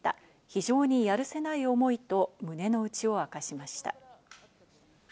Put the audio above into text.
非常にやるせない思いと胸の内を明かしました。